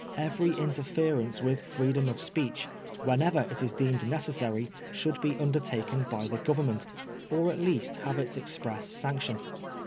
Every interference with freedom of speech, whenever it is deemed necessary, should be under taken by the Government, or at least have its express sanction.